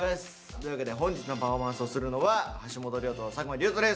というわけで本日のパフォーマンスをするのは橋本涼と作間龍斗です。